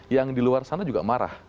yang di luar sana juga marah